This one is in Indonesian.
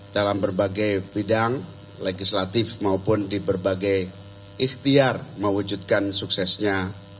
dalam berbagai bidang legislatif maupun di berbagai ikhtiar mewujudkan suksesnya